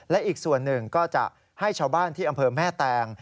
และอีกส่วนหนึ่งก็จะให้ชาวบ้านที่อำเภอแม่แตง